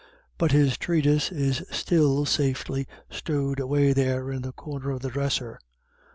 But his Treatise is still safely stowed away there in a corner of the dresser.